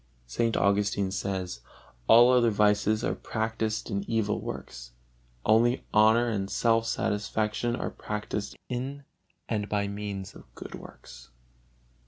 St. Augustine says: "All other vices are practised in evil works; only honor and self satisfaction are practised in and by means of good works."